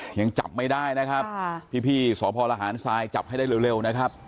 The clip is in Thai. ยังจับไม่ได้นะครับพี่สพลหารทรายจับให้ได้เร็วนะครับ